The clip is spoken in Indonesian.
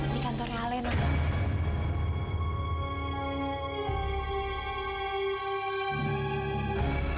di kantornya alena pak